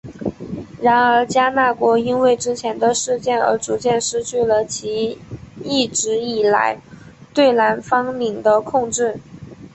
然而迦纳国因为之前的事件而逐渐失去了其一直以来对南方领的控制。